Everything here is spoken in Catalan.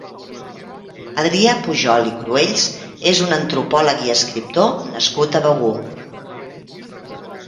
Adrià Pujol i Cruells és un antropòleg i escriptor nascut a Begur.